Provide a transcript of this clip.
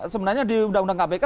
sebenarnya di undang undang kpk